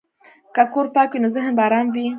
که کور پاک وي، نو ذهن به ارام وي.